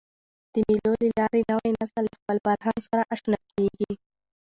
د مېلو له لاري نوی نسل له خپل فرهنګ سره اشنا کېږي.